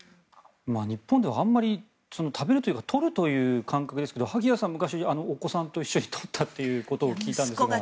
日本ではあまり食べるというか取るという感覚ですけれど萩谷さん、昔お子さんと取ったということを聞いたんですが。